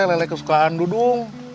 lele kesukaan dudung